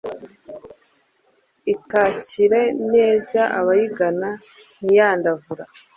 ikakira neza abayigana, ntiyandavura